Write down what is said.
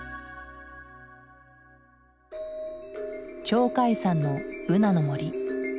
鳥海山のブナの森。